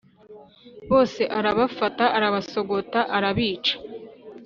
bose arabafata arabasogota arabica